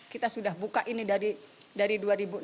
kita sudah buka ini dari dua ribu enam belas